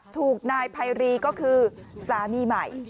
ถูกนายไพรีก็คือสามีใหม่